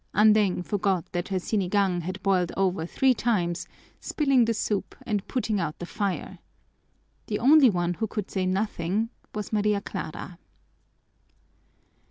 Andeng forgot that her sinigang had boiled over three times, spilling the soup and putting out the fire. The only one who could say nothing was Maria Clara.